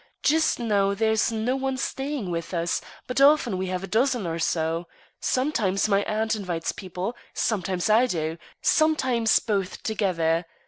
Just now there's no one staying with us, but often we have a dozen or so. Sometimes my aunt invites people. Sometimes I do: sometimes both together.